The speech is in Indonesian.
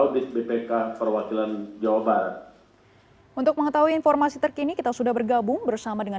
bogor melalui orang